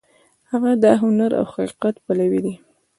هغه د هنر او حقیقت پلوی دی.